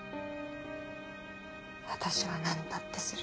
私は何だってする。